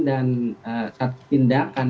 dan satu tindakan